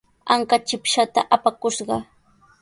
Anka chipshaata apakushqa.